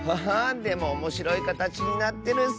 でもおもしろいかたちになってるッス！